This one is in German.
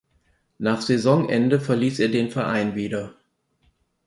Nach Saisonende verließ er den Verein wieder.